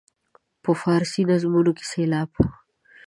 په فارسي نظمونو کې سېلاب.